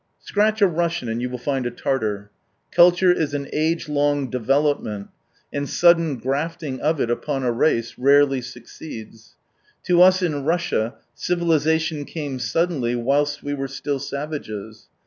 22 Scratch a Russian and you will find a Tartar. Culture is an age long develop ment, and sudden grafting of it upon a race rarely succeeds. To us in Russia, civili sation came suddenly, whilst we were still savages.